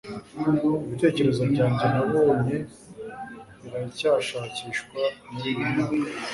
ibitekerezo byanjye nabonye biracyashakishwa muriyi myaka